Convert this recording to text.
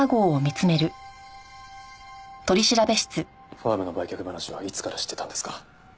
ファームの売却話はいつから知ってたんですか？